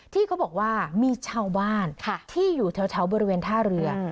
ที่เขาบอกว่ามีชาวบ้านที่อยู่แถวบริเวณท่าเรือ